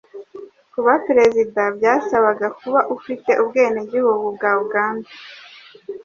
Kuba Perezida byasabaga kuba ufite ubwenegihugu bwa Uganda